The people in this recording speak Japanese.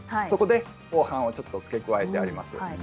そこで後半をちょっと付け加えてあります。